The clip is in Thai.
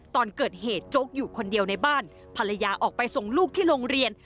ตอนเกิดเหตุโจ๊กอยู่คนเดียวในบ้านภรรยาออกไปส่งลูกที่โรงเรียน